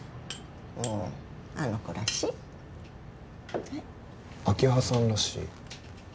もうあの子らしいはい明葉さんらしい？